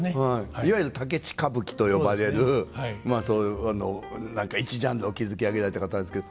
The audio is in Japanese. いわゆる武智歌舞伎と呼ばれる一ジャンルを築き上げられた方ですけど。